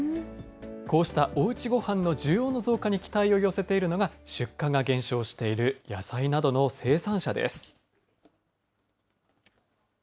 こうしたおうちごはんの需要の増加に期待を寄せているのが、出荷が減少している野菜などの生産者です。